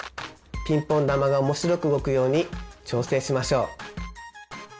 ピンポン球が面白く動くように調整しましょう！